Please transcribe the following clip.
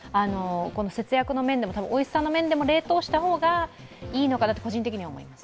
節約の面でも、おいしさの面でも冷凍した方がいいのかなと個人的には思います。